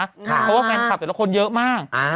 ค่ะเพราะว่าแฟนคาร์บแต่ละคนเยอะมากอ่า